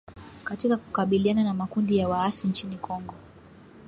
katika kukabiliana na makundi ya waasi nchini Kongo